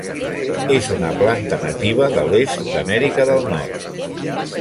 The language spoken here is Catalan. És una planta nativa de l'est d'Amèrica del Nord.